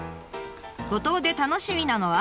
五島で楽しみなのは？